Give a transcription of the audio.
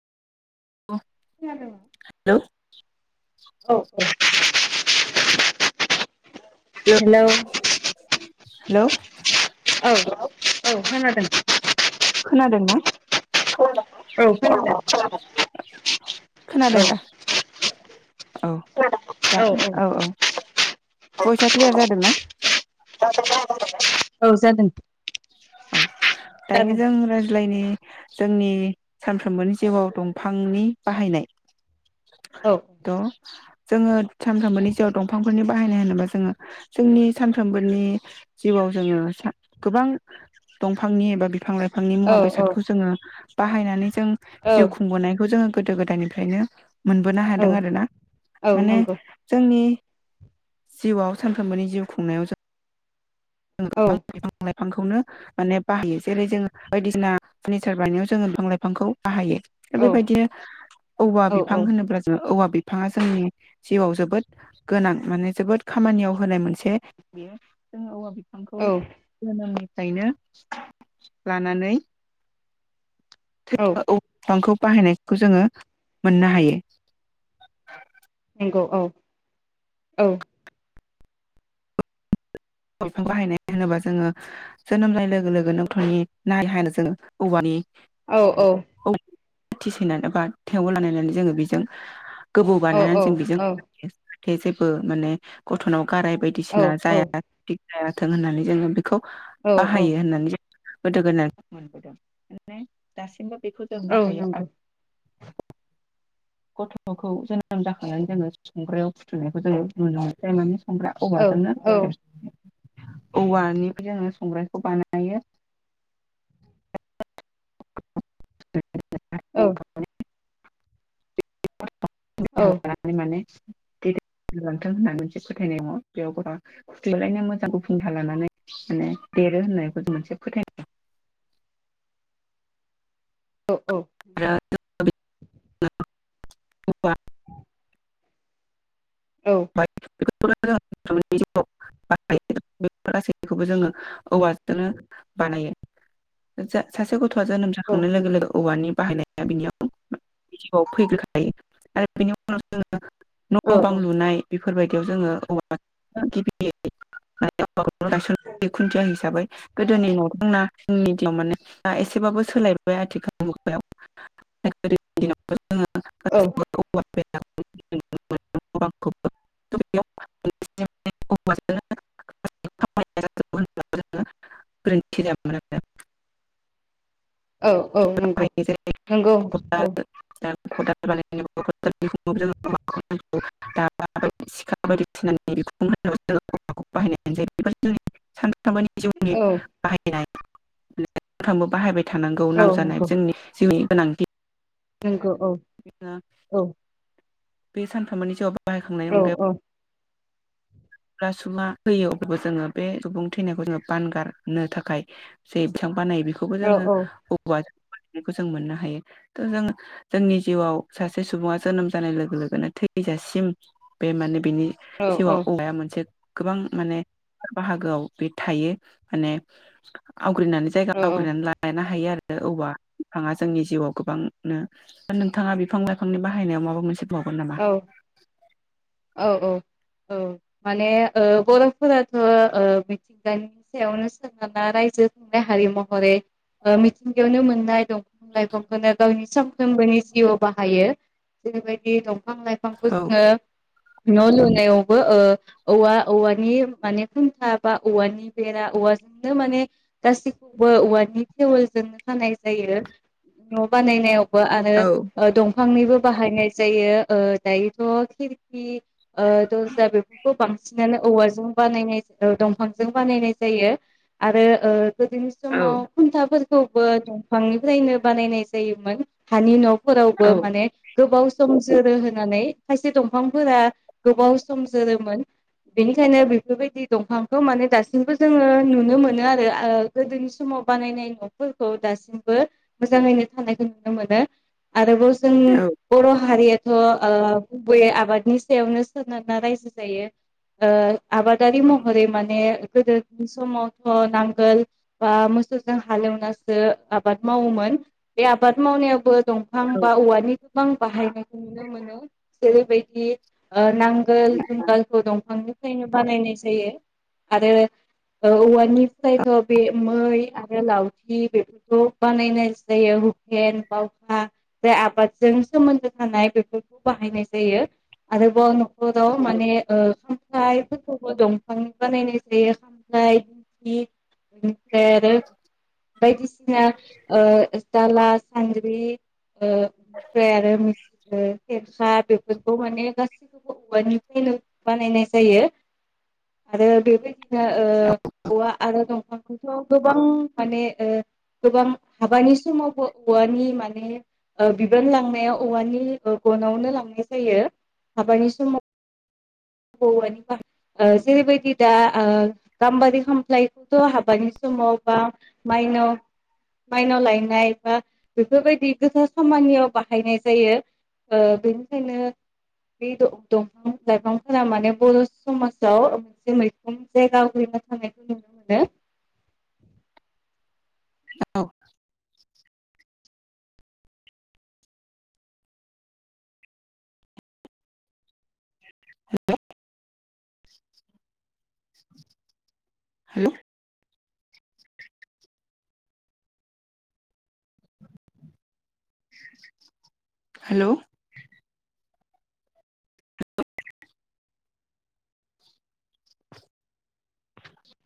हेल' [inaudible] औ [inaudible] hello hello [inaudible] खोनादोंना औ खोनादों खोनादों दा [inaudible] औ दा औ औ भयसा क्लियार जादोंना औ जादों औ दायो जादों जों राज्लाय बिलायनि जोंनि सानफ्रोमबोनि जिउआव दंफांनि बाहायनाय औ द जोङो सानफ्रोमबोनि जिउआव दंफांफोरनि बाहायनाय होनोबा जोङो जोंनि सानफ्रोमबोनि जिउआव जोङो गोबां दंफांनि एबा बिफां लाइफां बिफांनि औ मुवा बेसादखौ जोङो बाहायनानै जों जिउ खुंबोनायखौ जोङो [inaudible] गोदो गोदायनिफ्रायनो मोनबोनो औ हादों आरोना औ माने नंगौ जोंनि जिउआव सानफ्रोमबोनि जिउ खुंनायाव जों औ गोबां बिफां लाइफांखौनो माने बाहायो जेरै जोङो बायदिसिना फारनिचार बानायनायाव जोंङो बिफां लाइफांखौ बाहायो औ बेबायदिनो औवा औ बिफां होनोब्ला जोङो औवा बिफाङा जोंनि जिउआव जोबोद गोनां माने जोबोद खामानियाव होनाय मोनसे बेयो जों औवा आंखौ औ नंगौ होनां फायनो लानानै औ [inaudible] बाहायनायखौ जोङो मोननो हायो नंगौ औ औ बिफां बाहायनाय होनोबा जोङो जोनोम जानाय लोगो लोगो गथनि नारि हानो जोङो औवानि औ औ खाथि सैनानै बा थेवल लानायनानै जोङो बेजों गोबौ बानायनानै जों बेजों थे जेबो माने गथ'नाव गाराय बायदिसिना जाया। नंगौ बे गाथों होननानै जोङो बि खौ बाहायो होननानै जो गोदो गोनाय मोनबोदों माने दासिमबो बेखौ जों बाहायो आर गथ'खौ जोनोम जाखांनानै जोङो संग्रायाव फुथुनायखौ जोङो नुनो मोनो थार माने हमग्रा औ औवाजोंनो हेबज औवानि जोङो संग्रायखौ बानायो। [unintelligible] [unintelligible] माने देरलांथों होनना मोनसे फोथायनाय दङ बेयाव गथ'आ [unintelligible] लायनो मोजां गुफुं हा लानानै माने देरो होननायखौ जों मोनसे फोथायनाय [unintelligible] [unintelligible] औ। [unintelligible] गासैखौबो जोङो औवाज जोंनो बानायो। जा सासे ग थ'आ जोनोम जाखांनाय लोगो लोगो औवानि बाहायनाय बिनियाव जिउआव फैग्रोखायो आरो बिनि उनाव जोङो न' बां लुनाय बेफोरबायदियाव जोङो औवा गिबियै [unintelligible] औवाखौनो गायसन खुन्थिया हिसाबै। गोदोनि न' दंना जोंनि दिनाव माने दा एसेबाबो सोलायबाय आथिखाल मुगायाव। गोदोनि दिनावबो जोङो औ गासिबो औवा [unintelligible] [unintelligible] ब्रैथि [unintelligible] औ औ नंगौ, नंगौ खदाल औ। खदाल बानायनायावबो खदाल बिखुंआवबो जोंनो औवाखौ नांगौ, दाबा आरो सिखा बायदिसिनानि बिखुं होनोबो जोंनो औवा बाहायनाय जायो बेफोर जोंनि सानफ्रामबोनि नि बाहायनाय [unintelligible] बाहायबाय थानांगौ औ नांजानाय नंगौ जोंनि जिउनि गोनांथि नंगौ औ [unintelligible] औ बे सानथामानि जेरावबो बाहायखांनायनि औ अनगायोब औ रासुमा हैयो अब्लाबो जोङो बे सुबुं थैनायखौ जोङो बानगारनो थाखाय जे बिथां बानायो बेखौबो औ जोङो औ औवा जो बेखौ जों मोननो हायो थ' जों जोंनि जिउआव सासे सुबुङा जोनोम जानाय लोगो लोगोनो थैजासिम बे माने बिनि जिउआव अगाया मोन गोबां माने बाहागोआव बे थायो माने आवग्रोनानै जायगा औ आवग्रोनानै लानो हायो आर‌ ओ औवा बिफाङा जोंनि जिउआव गोबांनो दा नोंथाङा बिफां लाइफांनि बाहायनायाव माबा मोनसे बुंबावगोन नामा? औ औ औ। औ माने ओ बर'फोराथ' ओ मिथिंगानि सायावनो सोनारना रायजो खुंनाय हारि महरै ओ मिथिंगायावनो मोननाय दंफां लाइफांखौनो गावनि सामफ्रोमबोनि जिउआव बाहायो जेरैबायदि दं फां लाइफांखौ औ जोङो न' लुनायावबो ओ औवा औवानि माने खुन्था बा औवानि बेरा औवाजोंनो माने गासैखौबो औवानि खेवलजोंनो हानाय जायो न' बानायनायाव दंबावो आरो औ ओ दं बिफांनिबो बाहायनाय जायो। ओ दायोथ' खिरखि ओ दर्जा बेफोरखौ बां सिनानो औवाजों बानायनाय ओ दंफांजों बानायनाय जायो आरो ओ गोदोनि समाव औ खुन्थाफोर खौबो दंफांनिफ्रायनो बानायनाय जायोमोन हानि न' फोरावबो औ माने गोबाव समसि जोरो होनानै खायसे दंफांफोरा गोबाव सम जोरोमोन बेनिखायनो बेफोरबायदि दंफांखौ माने दासिमबो जोङो नुनो मोनो आरो ओ गोदोनि समाव बानायनाय न'फोरखौ दासिमबो मोजाङैनो थानायखौ नुनो मोनो। आरोबाव जों बर' हारिया थ' ओ गुबैयै आबादनि सायावनो सोनारना रायजो जायो ओ आबादारि महरै माने गोदोनि समावथ' नांगोल बा मोसौजों हालेवनासो आबाद मावोमोन बे आबाद मावनायाव बो दंफां औ बा औवानि गोबां बाहायनाय नुनो मोनो जेरैबायदि ओ नांगोल जुंगालखौ दंफांनि बानायनाय जायो आरो औवानिफ्रायथ' बे मै आरो लावथि बेफोरखौ बानायनाय जायो हुखेन बावखा बे आबादजों सोमोन्दो हानाय बेफोरखौ बाहायनाय जायो आरोबाव न' खराव माने ओ फ्लायफोरखौबो दंफांनि बानायनाय जायो खामफाय [unintelligible] ओमफ्राय आरो बायदिसिना ओ दाला [unintelligible] ओ ओफ्राय आरो मि ओ खेरखा बेफोरखौ माने गासैखौबो औवानिफ्रायनो बानायनाय जायो आरो बेबायदि ओ औवा आरो दं खौथ' गोबां माने ओगोबां हाबानि समावबो औवानि माने बिबान लांनायाव औवानि गनावनो लांनाय जायो हाबानि समाव जेरैबायदि दा गाम्बारि खामफ्लायखौथ' हाबानि समाव बा माइनाव माइनाव लायनाय बा बेफोरबायदि गोथार खामानियाव बाहायनाय जायो। ओ बेनिखायनो बे द-दंफां लाइफांफोरा माने बर' समाजाव मोनसे मैखोन जायगा आवग्रिना थानायखौ जों नुनो मोनो। औ। हेल हेल'? हेलौ? [inaudible]